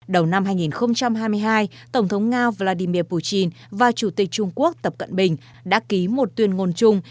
đầu năm hai nghìn hai mươi hai tổng thống nga vladimir putin và chủ tịch trung quốc tập cận bình đã ký một tuyên ngôn chung